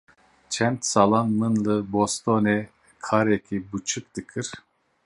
Çend salan min li Bostonê karekî biçûk dikir.